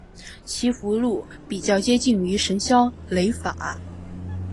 其符箓比较接近于神霄雷法。